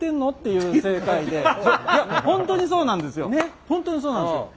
いや本当にそうなんですよ。